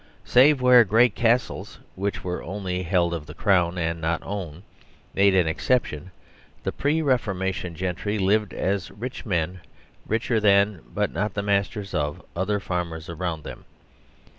Save where great castles (which were only held of the Crown and not owned) made an exception, the pre Reformation gentry lived as men richer than, but not the mastersof, other farmers around them.